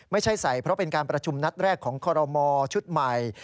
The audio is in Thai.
ไม่ใช่ใส่เพราะเป็นการประชุมนัดแรกของคอรมอชุดใหม่